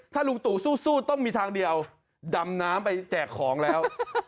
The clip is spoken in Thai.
ถ้าลุงตู่สู้ต้องมีทางเดียวดำน้ำไปแจกของแล้ว